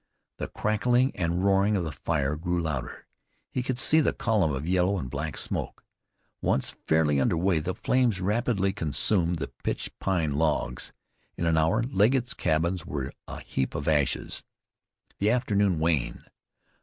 The crackling and roaring of the fire grew louder. He could see the column of yellow and black smoke. Once fairly under way, the flames rapidly consumed the pitch pine logs. In an hour Legget's cabins were a heap of ashes. The afternoon waned.